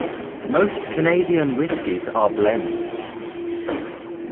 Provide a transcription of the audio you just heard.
Most Canadian whiskies are blends.